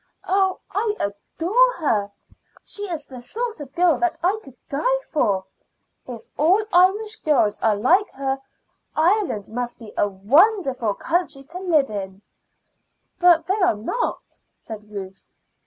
Oh, I adore her! She is the sort of girl that I could die for. If all Irish girls are like her, Ireland must be a wonderful country to live in." "But they are not," said Ruth.